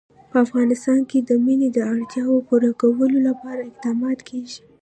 په افغانستان کې د منی د اړتیاوو پوره کولو لپاره اقدامات کېږي.